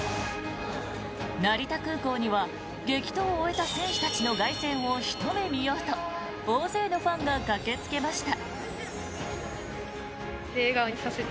成田空港には激闘を終えた選手たちの凱旋をひと目見ようと大勢のファンが駆けつけました。